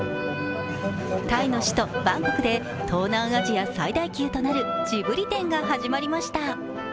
タイの首都・バンコクで東南アジア最大級となるジブリ展が始まりました。